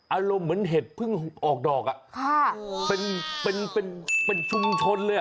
อารมณ์เหมือนเห็ดเพิ่งออกดอกเป็นเป็นชุมชนเลย